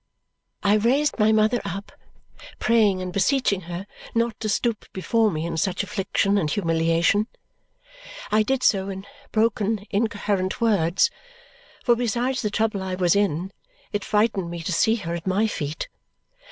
I raised my mother up, praying and beseeching her not to stoop before me in such affliction and humiliation. I did so in broken, incoherent words, for besides the trouble I was in, it frightened me to see her at MY feet.